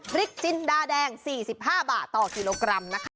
พริกจินดาแดง๔๕บาทต่อกิโลกรัมนะคะ